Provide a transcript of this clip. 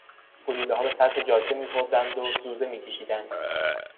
گلولهها به سطح جاده میخوردند و زوزه میکشیدند.